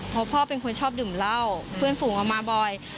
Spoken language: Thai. เพราะพ่อเป็นคนชอบดื่มเหล้าเพื่อนฝูงเอามาบ่อย